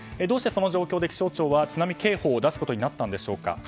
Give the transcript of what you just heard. どうしてその状況で気象庁は津波警報を出すことになったんでしょうか。